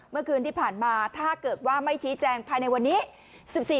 เมื่อคืนที่ผ่านมาถ้าเกิดว่าไม่ชี้แจงภายในวันนี้